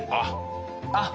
あっ。